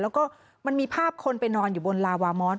แล้วก็มันมีภาพคนไปนอนอยู่บนลาวามอส